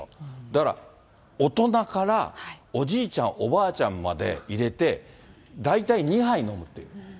だから大人からおじいちゃん、おばあちゃんまで入れて、大体２杯飲むっていう。